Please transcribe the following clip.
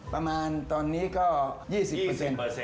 ประมาณตอนนี้ก็๒๐เปอร์เซ็นต์๒๐เปอร์เซ็นต์